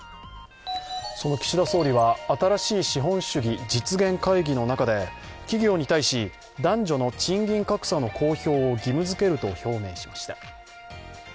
その岸田総理は新しい資本主義実現会議の中で企業に対し、男女の賃金格差の公表を義務づけると表明しました。